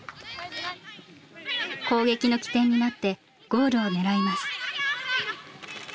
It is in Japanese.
攻撃の起点になってゴールを狙います。